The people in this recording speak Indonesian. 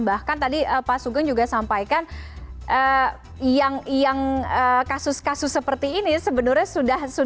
bahkan tadi pak sugeng juga sampaikan yang kasus kasus seperti ini sebenarnya sudah